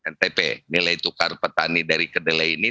ntp nilai tukar petani dari kedelai ini